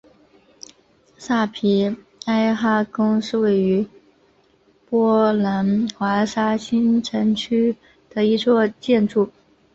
萨皮埃哈宫是位于波兰华沙新城区的一座建筑。